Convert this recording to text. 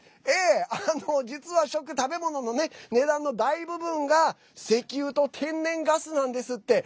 実は、食べ物の値段の大部分が石油と天然ガスなんですって。